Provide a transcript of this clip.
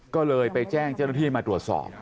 ก็เลยไปแจ้งเจ้าหน้าที่ให้มาตรวจสอบ